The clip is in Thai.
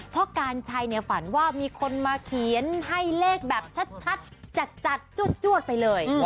การชัยฝันว่ามีคนมาเขียนให้เลขแบบชัดจัดจวดไปเลย